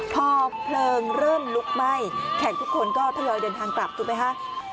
พอเพลิงเริ่มลุกไหม้แขกทุกคนก็ทยอยเดินทางกลับถูกไหมคะ